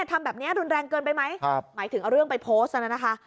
ทำแบบนี้รุนแรงเกินไปไหมหมายถึงเอาเรื่องไปโพสต์น่ะนะคะ